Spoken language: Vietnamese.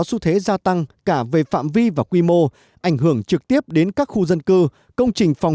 xu thế gia tăng cả về phạm vi và quy mô ảnh hưởng trực tiếp đến các khu dân cư công trình phòng